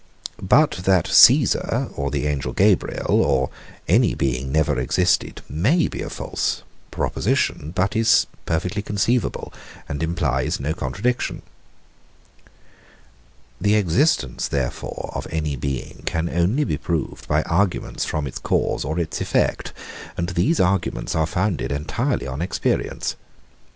But that Caesar, or the angel Gabriel, or any being never existed, may be a false proposition, but still is perfectly conceivable, and implies no contradiction. The existence, therefore, of any being can only be proved by arguments from its cause or its effect; and these arguments are founded entirely on experience.